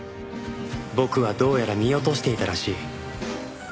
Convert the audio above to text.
僕はどうやら見落としていたらしい